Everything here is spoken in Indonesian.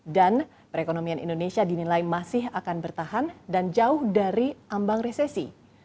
dan perekonomian indonesia dinilai masih akan bertahan dan jauh dari ambang resesi